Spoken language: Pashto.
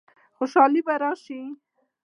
خوشحالي به راشي؟